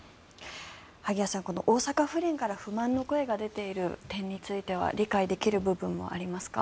萩谷さん、大阪府連から不満の声が出ている点については理解できる部分もありますか？